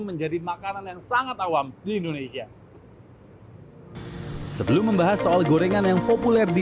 menjadi makanan yang sangat awam di indonesia sebelum membahas soal gorengan yang populer di